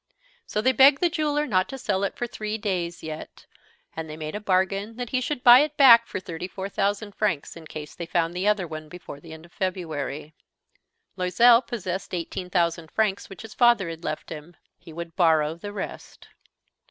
So they begged the jeweler not to sell it for three days yet. And they made a bargain that he should buy it back for thirty four thousand francs in case they found the other one before the end of February. Loisel possessed eighteen thousand francs which his father had left him. He would borrow the rest.